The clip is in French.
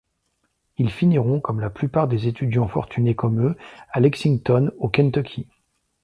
Ils finiront, comme la plupart des étudiants fortunés comme eux, à Lexington, au Kentucky.